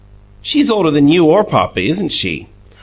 She's older than you or papa, isn't she?"